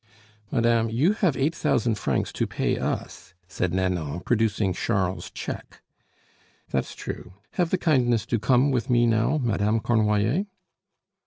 "Madame, you have eight thousand francs to pay us," said Nanon, producing Charles's cheque. "That's true; have the kindness to come with me now, Madame Cornoiller."